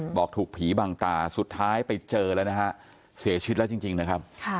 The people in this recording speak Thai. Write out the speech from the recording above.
บอกถูกผีบังตาสุดท้ายไปเจอแล้วนะฮะเสียชีวิตแล้วจริงนะครับ